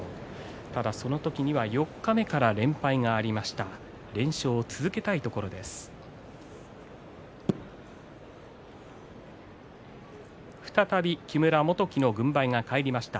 ただその時には四日目から連敗がありました。